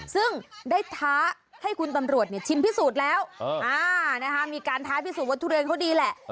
ซึ่งได้ท้าให้คุณตำรวจชิมพิสูจน์แล้วมีการท้าพิสูจนว่าทุเรียนเขาดีแหละ